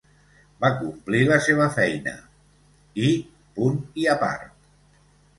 Va complir la seva feina… i punt i a part.